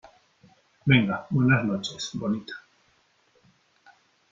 venga , buenas noches , bonita .